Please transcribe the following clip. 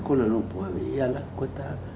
kuala lumpur iyalah kota